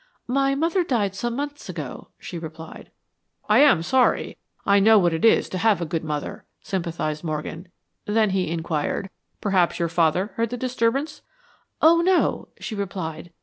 "My mother died some months ago," she replied. "I am sorry. I know what it is to have a good mother," sympathized Morgan. Then he inquired, "Perhaps your father heard the disturbance?" "Oh no," she replied.